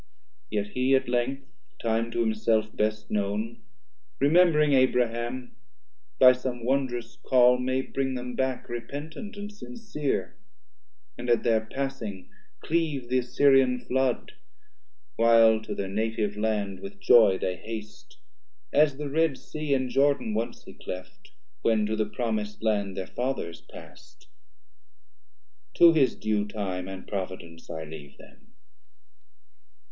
Yet he at length, time to himself best known, Remembring Abraham by some wond'rous call May bring them back repentant and sincere, And at their passing cleave the Assyrian flood, While to their native land with joy they hast, As the Red Sea and Jordan once he cleft, When to the promis'd land thir Fathers pass'd; To his due time and providence I leave them.